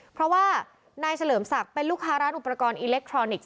เพราะว่านายเฉลิมศักดิ์เป็นลูกค้าร้านอุปกรณ์อิเล็กทรอนิกส์